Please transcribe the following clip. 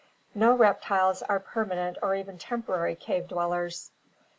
No reptiles are permanent or even temporary cave dwellers.